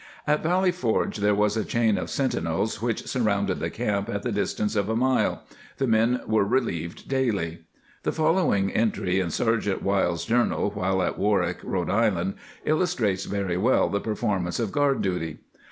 ^ At Valley Forge there was a chain of sentinels which surrounded the camp at the distance of a mile; the men were relieved daily.^ The fol lowing entry in Sergeant Wild's journal while at Warwick, R. I., illustrates very well the per formance of guard duty.